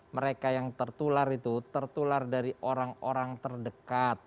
mereka yang tertular itu tertular dari orang orang terdekat